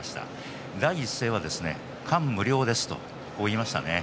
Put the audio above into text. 第一声は感無量ですと言いました。